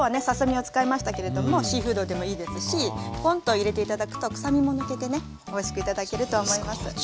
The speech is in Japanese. ささ身を使いましたけれどもシーフードでもいいですしぽんと入れて頂くと臭みも抜けてねおいしく頂けると思います。